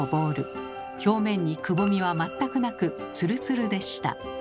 表面にくぼみは全くなくツルツルでした。